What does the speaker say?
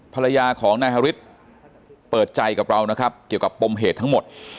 ภรรยาของนายฮาริสเปิดใจกับเรานะครับเกี่ยวกับปมเหตุทั้งหมด